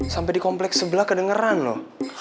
sampai di kompleks sebelah kedengeran loh